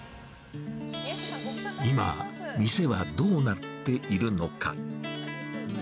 今、店はどうなっているのか。